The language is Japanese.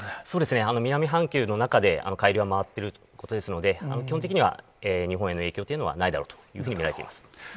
そうですね、南半球の中で、海流は回っているということですので、基本的には日本への影響というのはないだろうというふうに見られています。